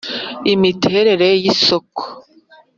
imiterere y isoko